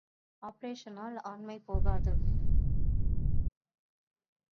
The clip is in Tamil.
ஆப்பரேஷனால் ஆண்மை போகாது.